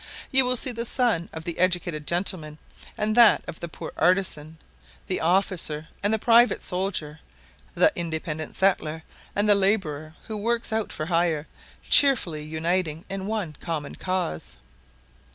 You will see the son of the educated gentleman and that of the poor artisan, the officer and the private soldier, the independent settler and the labourer who works out for hire, cheerfully uniting in one common cause.